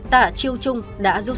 tạ chiêu trung đã giúp